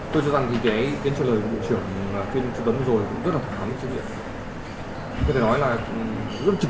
tôi cho rằng cái trả lời của bộ trưởng khiên chú tấm vừa rồi cũng rất là thẳng thắn